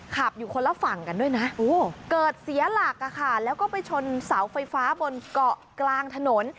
ขับอยู่คนละฝั่งกันด้วยนะเกิดเสียหลักแล้วก็ไปชนเสาไฟฟ้าบนเกาะกลางถนน